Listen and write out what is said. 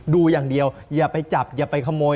ดูอย่างเดียวอย่าไปจับอย่าไปขโมย